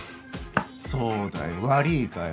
そうだよ悪いかよ。